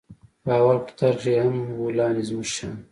په اول کتار کښې يې ام و لاندې زموږ شيان.